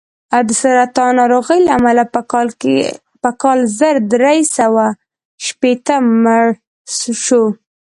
د سرطان ناروغۍ له امله په کال زر درې سوه شپېته مړ شو.